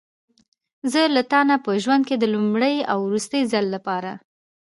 زه له تا نه په ژوند کې د لومړي او وروستي ځل لپاره.